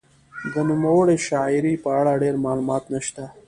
د نوموړې شاعرې په اړه ډېر معلومات نشته.